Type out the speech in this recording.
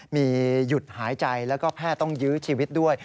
มีหยุดหายใจแล้วก็แพทย์ต้องยื้อชีวิตด้วย